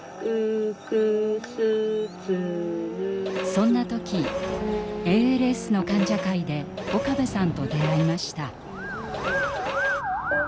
そんな時ＡＬＳの患者会で岡部さんと出会いました。